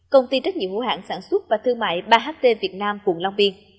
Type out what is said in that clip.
công ty trách nhiệm hữu hạng sản xuất và thương mại ba ht việt nam quận long biên